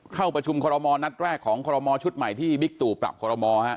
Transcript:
เข้าประชุมนัดแรกของชุดใหม่ที่ปรับฮะ